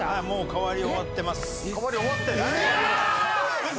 もう変わり終わってます。